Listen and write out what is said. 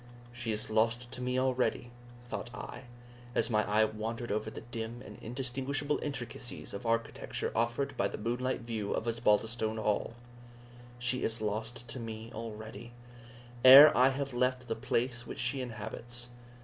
"She is lost to me already," thought I, as my eye wandered over the dim and indistinguishable intricacies of architecture offered by the moonlight view of Osbaldistone Hall "She is lost to me already, ere I have left the place which she inhabits!